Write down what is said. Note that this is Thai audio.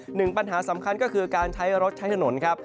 หนึ่งปัญหาสำคัญก็คือการใช้รถใช้ถนนครับ